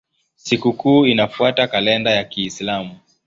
Sikukuu inafuata kalenda ya Kiislamu.